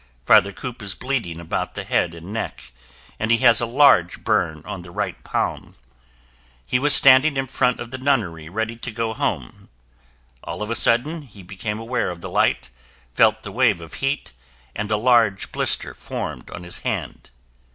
Father Kopp is bleeding about the head and neck, and he has a large burn on the right palm. He was standing in front of the nunnery ready to go home. All of a sudden, he became aware of the light, felt the wave of heat and a large blister formed on his hand.